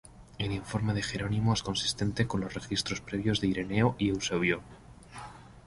El informe de Jerónimo es consistente con los registros previos de Ireneo y Eusebio.